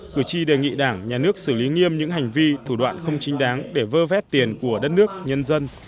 cử tri đề nghị đảng nhà nước xử lý nghiêm những hành vi thủ đoạn không chính đáng để vơ vét tiền của đất nước nhân dân